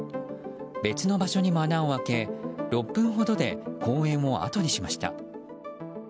別の場所にも穴を開け６分ほどで公園をあとにしました。